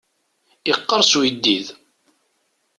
Iqqers uyeddid.